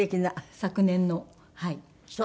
昨年のはい。